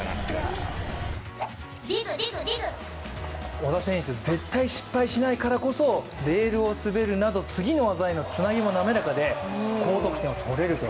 織田選手、絶対失敗しないからこそレールを滑るなど次の技へのつなぎも滑らかで高得点が取れると。